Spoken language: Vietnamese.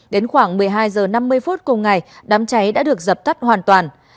đến khoảng một mươi hai h năm mươi phút cùng ngày đám cháy đã được dập tắt hoàn toàn